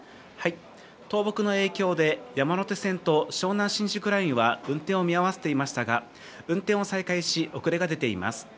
倒木の影響で、山手線と湘南新宿ラインは運転を見合わせていましたが、運転を再開し、遅れが出ています。